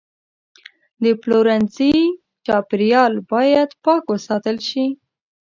د پلورنځي چاپیریال باید پاک وساتل شي.